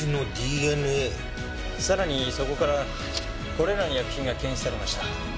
さらにそこからこれらの薬品が検出されました。